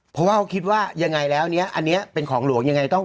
เพราะว่าเขาคิดว่ายังไงแล้วเนี่ยอันนี้เป็นของหลวงยังไงต้อง